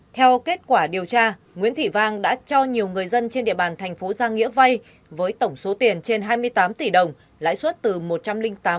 theo kết quả điều tra nguyễn thị vang đã cho nhiều người dân trên địa bàn thành phố gia nghĩa vay với tổng số tiền trên hai mươi tám tỷ đồng lãi suất từ một trăm linh tám một năm đến một trăm tám mươi hai một năm